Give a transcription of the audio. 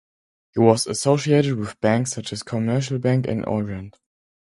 He was associated with banks such as Commercial bank and Orient.